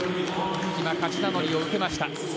今、勝ち名乗りを受けました。